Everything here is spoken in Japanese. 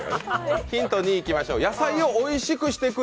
ヒント２、いきましょう。